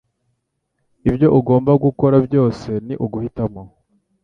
Ibyo ugomba gukora byose ni uguhitamo.